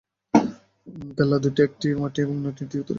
কেল্লা দুটির একটি মাটি এবং অন্যটি ইট দিয়ে তৈরি।